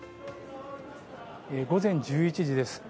午前１１次です。